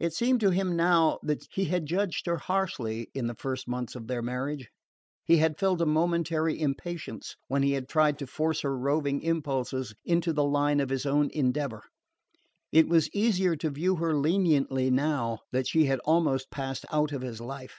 It seemed to him now that he had judged her harshly in the first months of their marriage. He had felt a momentary impatience when he had tried to force her roving impulses into the line of his own endeavour: it was easier to view her leniently now that she had almost passed out of his life.